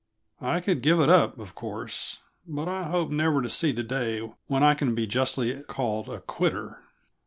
I could give it up, of course but I hope never to see the day when I can be justly called a quitter.